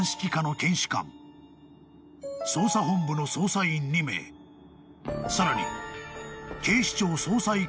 ［捜査本部の捜査員２名さらに］